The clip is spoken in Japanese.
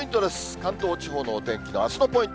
関東地方のお天気のあすのポイント